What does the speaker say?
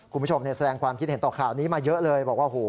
คุณผู้ชมในแสดงความคิดเห็นต่อข่าวนี้มาเยอะเลย